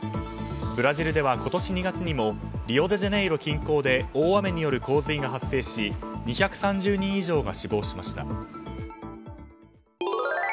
ブラジルでは今年２月にもリオデジャネイロ近郊で大雨による洪水が発生し２３０人以上が死亡しました。